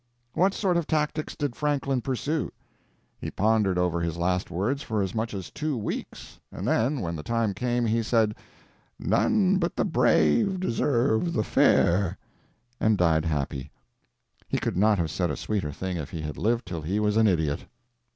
What sort of tactics did Franklin pursue? He pondered over his last words for as much as two weeks, and then when the time came, he said, "None but the brave deserve the fair," and died happy. He could not have said a sweeter thing if he had lived till he was an idiot.